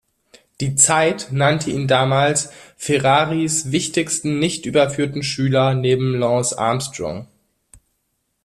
Die "Zeit" nannte ihn damals Ferraris «wichtigsten nicht überführten Schüler neben Lance Armstrong».